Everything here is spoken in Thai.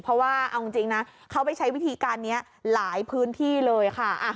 เพราะว่าเอาจริงนะเขาไปใช้วิธีการนี้หลายพื้นที่เลยค่ะ